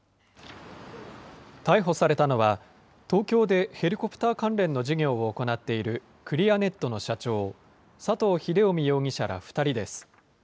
逮捕されたのは、東京でヘリコプター関連の事業を行っているクリアネットの社長、佐藤秀臣容疑者ら２人です。